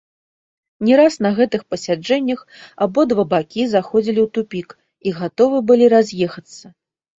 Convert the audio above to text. Не раз на гэтых пасяджэннях абодва бакі заходзілі ў тупік і гатовы былі раз'ехацца.